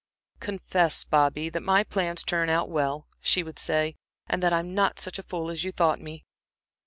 "Confess, Bobby, that my plans turn out well," she would say, "and that I'm not such a fool as you thought me."